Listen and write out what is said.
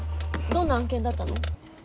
どんな案件だったの？